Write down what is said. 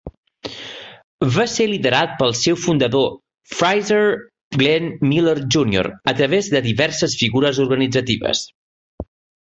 Va ser liderat pel seu fundador, Frazier Glenn Miller Junior a través de diverses figures organitzatives.